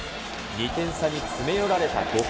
２点差に詰め寄られた５回。